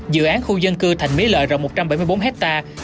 dự án khu dân cư thành mỹ lợi rộng một trăm bảy mươi bốn hectare